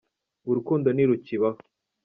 Urukundo ntirukibaho